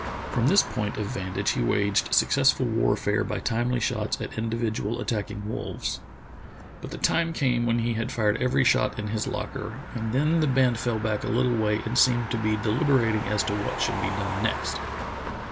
From this point of vantage he waged successful warfare by timely shots at individ ual attacking wolves. But the time came when he had fired every shot in his locker, and then the band fell back a little way and seemed to be deliberating as to what should be done next.